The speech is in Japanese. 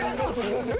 どうする？